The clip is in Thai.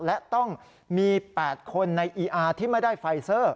และต้องมี๘คนในอีอาร์ที่ไม่ได้ไฟเซอร์